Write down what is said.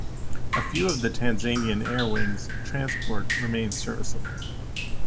A few of the Tanzanian air wing's transport remain serviceable.